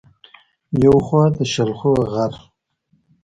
يو خوا د شلخو غر